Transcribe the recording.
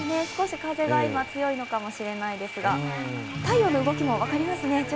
少し風が強いのかもしれないですが、太陽の動きも分かりますね